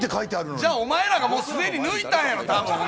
じゃあお前らがすでに抜いたんやろ！